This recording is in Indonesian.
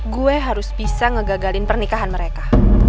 gue harus bisa ngegagalin pernikahan mereka